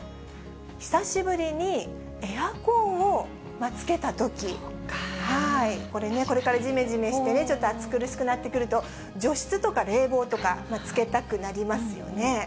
久しぶりにエアコンをつけたとき、これね、これからじめじめしてね、ちょっと暑苦しくなってくると、除湿とか冷房とか、つけたくなりますよね。